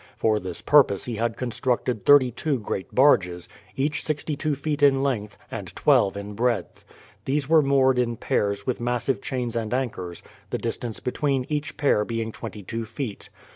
For this purpose he had constructed thirty two great barges, each sixty two feet in length, and twelve in breadth. These were moored in pairs with massive chains and anchors, the distance between each pair being twenty two feet.